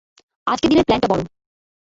আজকের দিনের প্লানটা বড়।